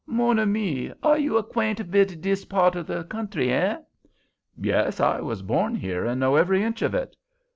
"Mon ami, are you acquaint vid dis part of de country—eh?" "Yes, I was born here, and know every inch of it."